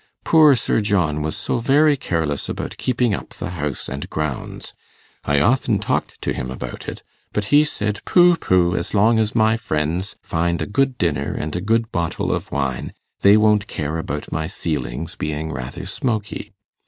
Poor Sir John was so very careless about keeping up the house and grounds. I often talked to him about it, but he said, "Pooh pooh! as long as my friends find a good dinner and a good bottle of wine, they won't care about my ceilings being rather smoky."